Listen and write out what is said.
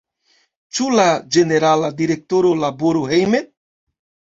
Ĉu la Ĝenerala Direktoro laboru hejme?